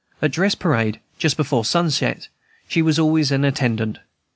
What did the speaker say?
At "dress parade," just before sunset, she was always an attendant.